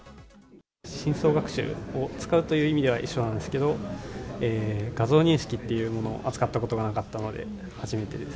深層学習を使うという意味では一緒なんですけど、画像認識っていうものを、扱ったことがなか